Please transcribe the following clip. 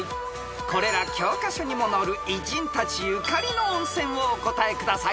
［これら教科書にも載る偉人たちゆかりの温泉をお答えください］